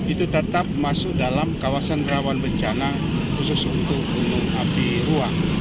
itu tetap masuk dalam kawasan rawan bencana khusus untuk gunung api ruang